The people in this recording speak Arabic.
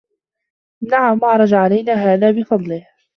نَعَمْ عَرَجَ عَلَيْنَا هَذَا بِفَضْلِهِ